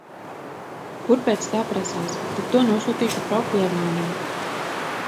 Kur pēc tā prasās. Tad to nosūtīšu prof. Levānam.